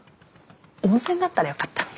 温泉だったらよかったのに。